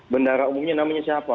bendara umumnya namanya siapa